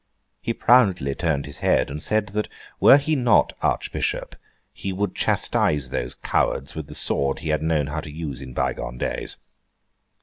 He proudly turned his head, and said that were he not Archbishop, he would chastise those cowards with the sword he had known how to use in bygone days.